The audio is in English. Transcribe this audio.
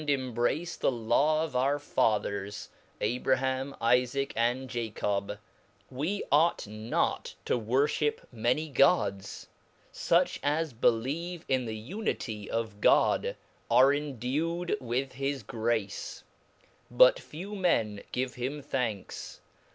embrace the Law of onr fathers, Ahraham, Jfaac, and Jacob, yvt ought not to vvorfhip many gods ; fuch as believe in the unity of God, are endued with his grace, but few men give him '^ thanks.